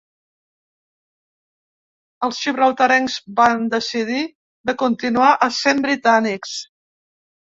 Els gibraltarencs van decidir de continuar essent britànics.